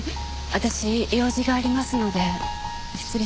私用事がありますので失礼します。